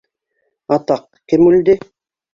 Атаҡ, кем үлде?